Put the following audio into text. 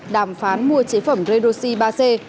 đàm phán mua chế phẩm redoxy ba c